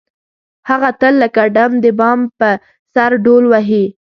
هغه تل لکه ډم د بام په سر ډول وهي.